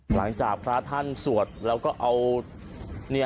หลังจากพระท่านสวดแล้วก็เอาเนื้อฮันทรีย์